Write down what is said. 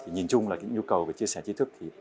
nhìn chung là những nhu cầu chia sẻ chi thức